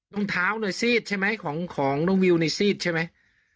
รองเท้าเลยซีดใช่ไหมของน้องวิวในซีดใช่ไหม